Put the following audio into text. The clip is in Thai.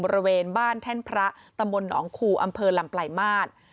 บริเวณบ้านแท่นพระตำรวจหนองคู่อำเภอลำไปรมาศ